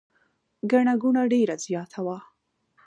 ګڼه ګوڼه ډېره زیاته وه.